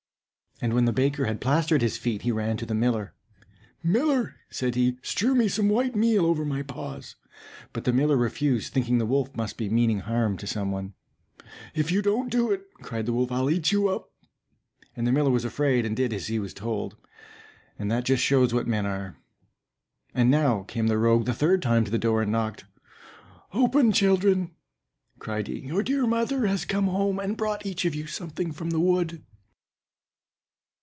And when the baker had plastered his feet, he ran to the miller. "Miller," said he, "strew me some white meal over my paws." But the miller refused, thinking the wolf must be meaning harm to some one. "If you don't do it," cried the wolf, "I'll eat you up!" And the miller was afraid and did as he was told. And that just shows what men are. And now came the rogue the third time to the door and knocked. "Open, children!" cried he. "Your dear mother has come home, and brought you each something from the wood."